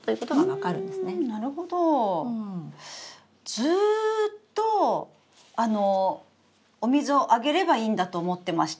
ずっとあのお水をあげればいいんだと思ってました。